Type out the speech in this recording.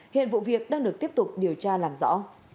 hiện vụ việc đang được tiếp tục điều tra làm rõ